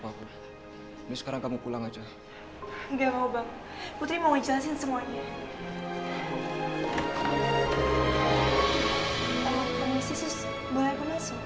eh penelitian sus boleh aku masuk